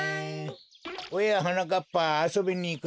おやはなかっぱあそびにいくのか？